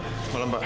selamat malam pak